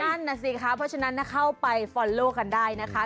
นั่นน่ะสิคะเพราะฉะนั้นเข้าไปฟอลโลกันได้นะคะ